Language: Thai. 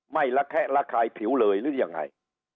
ไม่ระแคะระคายผิวเลยหรือยังไง